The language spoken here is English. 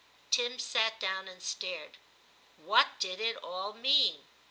Tim sat down and stared. What did it all mean